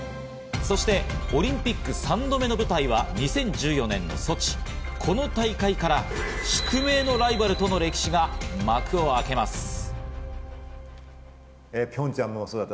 そしてオリンピック３度目の舞台は２０１４年のソチ、この大会から宿命のライバルとの歴史が幕を開けます。